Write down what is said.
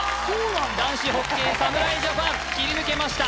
男子ホッケーサムライジャパン切り抜けました